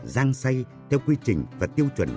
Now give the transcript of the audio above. rang xay theo quy trình và tiêu chuẩn